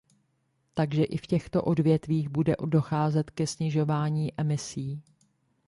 Takže i v těchto odvětvích bude docházet ke snižování emisí.